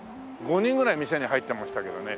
５人ぐらい店に入ってましたけどね。